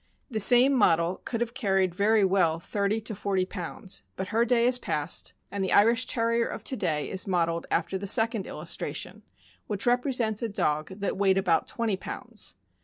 The same model could have carried very well thirty to forty pounds; but her day is past, and THE IRISH TERRIER. 419 the Irish Terrier of to day is modeled after the second illustration, which represents a dog that weighed about twenty pounds.